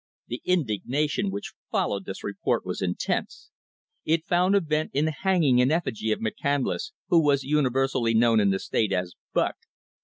The indignation which followed this report was intense. It found a vent in the hanging in effigy of McCandless, who was universally known in the state as "Buck."